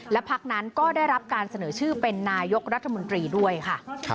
และพักนั้นก็ได้รับการเสนอชื่อเป็นนายกรัฐมนตรีด้วยค่ะ